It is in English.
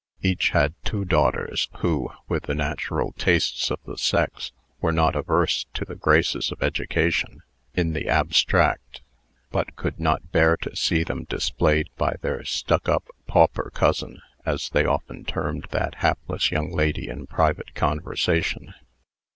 Each had two daughters, who, with the natural tastes of the sex, were not averse to the graces of education, in the abstract, but could not bear to see them displayed by their "stuck up, pauper cousin," as they often termed that hapless young lady in private conversation.